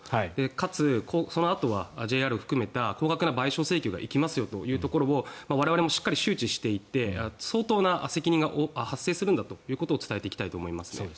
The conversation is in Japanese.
かつ、そのあとはＪＲを含めた高額な賠償請求が行きますよというところを我々もしっかり周知していって相当な責任が発生するんだということを伝えていきたいと思いますね。